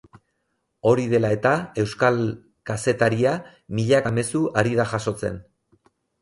Hori dela eta euskal kazetaria milaka mezu ari da jasotzen.